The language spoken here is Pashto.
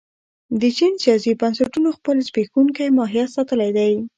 د چین سیاسي بنسټونو خپل زبېښونکی ماهیت ساتلی دی.